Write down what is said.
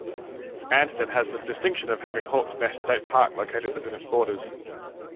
Ansted has the distinction of having Hawk's Nest State Park located within its borders.